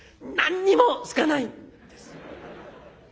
何にもすかないんです。